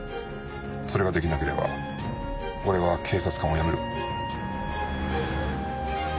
それが出来なければ俺は警察官を辞める。